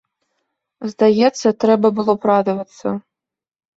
Здаецца, трэба было б радавацца.